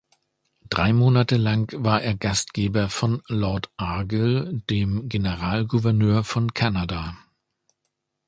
Drei Monate lang war er Gastgeber von Lord Argyll, dem Generalgouverneur von Kanada.